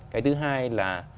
cái thứ hai là